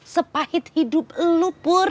sepahit hidup lu pur